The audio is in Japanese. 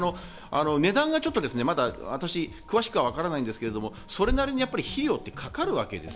値段がちょっと私、詳しくはわからないですが、それなりに費用ってかかるわけです。